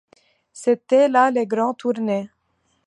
C’étaient là les grandes tournées.